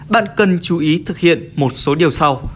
bạn cần chú ý thực hiện một số điều sau